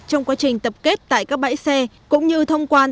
trong quá trình tập kết tại các bãi xe cũng như thông quan